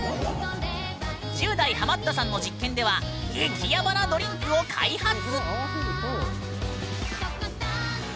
１０代ハマったさんの実験では激ヤバなドリンクを開発！